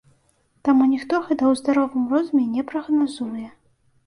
Таму ніхто гэта ў здаровым розуме не прагназуе.